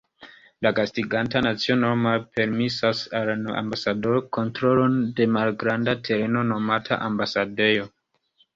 La gastiganta nacio normale permesas al la ambasadoro kontrolon de malgranda tereno nomata ambasadejo.